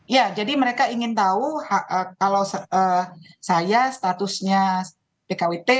ya jadi mereka ingin tahu kalau saya statusnya pkwt